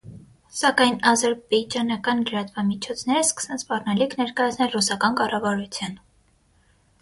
Սակայն ազրպէյճանական լրատուամիջոցները սկսան սպառնալիք ներկայացնել ռուսական կառավարութեան։